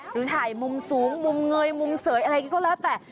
หรือถ่ายมุมสูงมุมเงยมุมเสยอะไรก็แล้วแต่